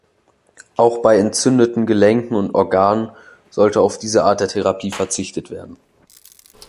Auch bei entzündeten Gelenken und Organen sollte auf diese Art der Therapie verzichtet werden.